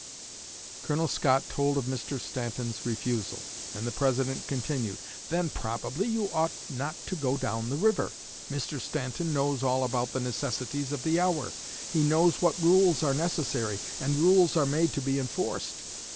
Colonel Scott told of Mr. Stanton's refusal; and the President continued: "Then probably you ought not to go down the river. Mr. Stanton knows all about the necessities of the hour; he knows what rules are necessary, and rules are made to be enforced.